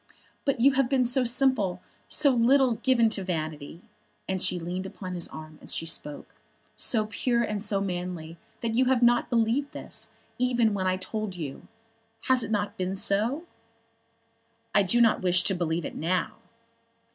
But you have been so simple, so little given to vanity," she leaned upon his arm as she spoke, "so pure and so manly, that you have not believed this, even when I told you. Has it not been so?" "I do not wish to believe it now."